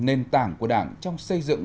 nền tảng của đảng trong xây dựng